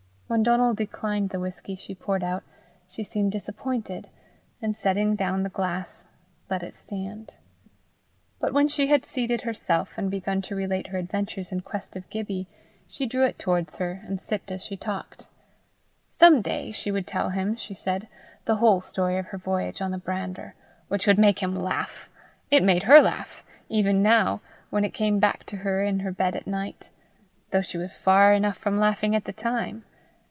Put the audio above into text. When Donal declined the whisky she poured out, she seemed disappointed, and setting down the glass, let it stand. But when she had seated herself, and begun to relate her adventures in quest of Gibbie, she drew it towards her, and sipped as she talked. Some day she would tell him, she said, the whole story of her voyage on the brander, which would make him laugh; it made her laugh, even now, when it came back to her in her bed at night, though she was far enough from laughing at the time.